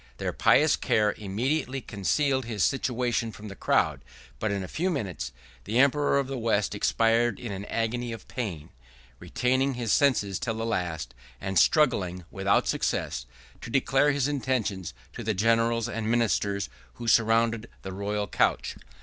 Their pious care immediately concealed his situation from the crowd; but, in a few minutes, the emperor of the West expired in an agony of pain, retaining his senses till the last; and struggling, without success, to declare his intentions to the generals and ministers, who surrounded the royal couch.